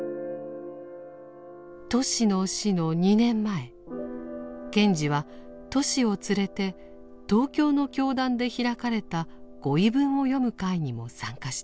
トシの死の２年前賢治はトシを連れて東京の教団で開かれた御遺文を読む会にも参加していました。